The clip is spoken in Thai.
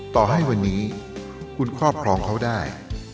ต่อให้วันนี้คุณครอบครองเขาได้